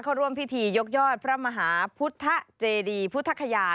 เขาร่วมพิธียกยอดพระมหาพุทธเจดีพุทธคยา